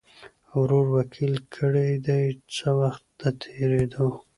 ورور وکیل کړي دی څه وخت د تېریدو